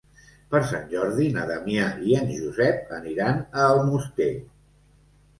Per Sant Jordi na Damià i en Josep aniran a Almoster.